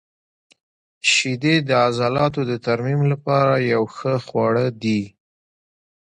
• شیدې د عضلاتو د ترمیم لپاره یو ښه خواړه دي.